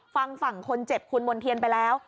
ฝั่งฝั่งคนเจ็บคุณมณ์เทียนไปแล้ว